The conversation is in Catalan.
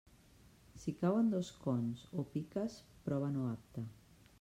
Si cauen dos cons o piques, prova no apte.